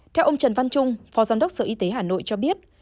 theo ông trần văn trung phó giám đốc sở y tế hà nội cho biết